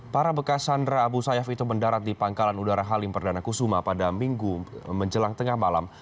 para bekas sandra abu sayyaf itu mendarat di pangkalan udara halim perdana kusuma pada minggu menjelang tengah malam